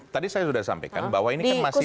tadi saya sudah sampaikan bahwa ini kan masih